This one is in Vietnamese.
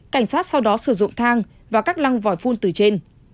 cảnh sát sau đó sử dụng thang và các lăng vòi phun từ trên